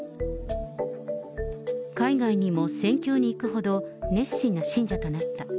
海外にも宣教に行くほど、熱心な信者となった。